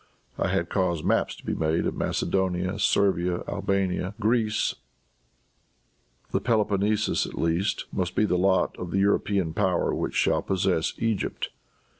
I had caused maps to be made of Macedonia, Servia, Albania. Greece, the Peloponnesus at least, must be the lot of the European power which shall possess Egypt.